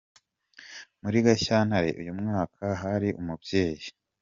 Muri Gashyantare uyu mwaka, hari umubyeyi